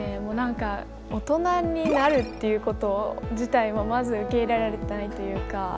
もう何か大人になるっていうこと自体もまず受け入れられてないというか。